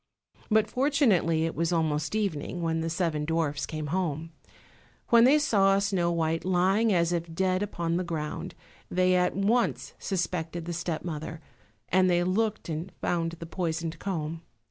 But fortunately it was almost evening, when the seven dwarfs came home. When they saw Snow white lying as if dead upon the ground they at once suspected the step mother, and they looked and found the poisoned comb.